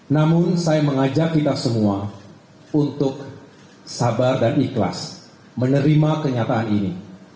namun saya mengajak kita semua untuk sabar dan ikhlas menerima kenyataan ini